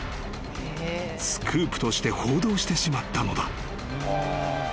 ［スクープとして報道してしまったのだ］